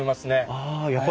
ああやっぱり。